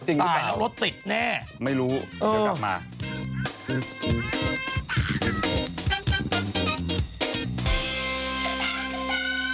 จริงรึเปล่าไม่รู้เดี๋ยวกลับมารถติดแน่เออ